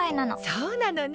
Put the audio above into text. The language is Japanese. そうなのね。